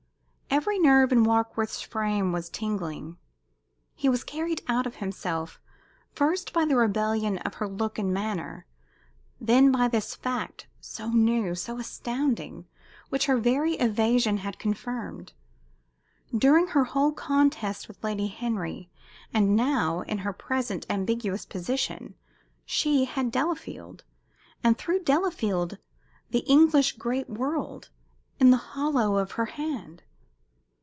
Every nerve in Warkworth's frame was tingling. He was carried out of himself, first by the rebellion of her look and manner, then by this fact, so new, so astounding, which her very evasion had confirmed. During her whole contest with Lady Henry, and now, in her present ambiguous position, she had Delafield, and through Delafield the English great world, in the hollow of her hand?